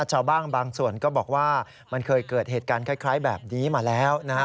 ชาวบ้านบางส่วนก็บอกว่ามันเคยเกิดเหตุการณ์คล้ายแบบนี้มาแล้วนะฮะ